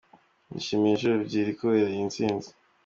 Nishimye inshuro ebyiri kubera iyi ntsinzi!”.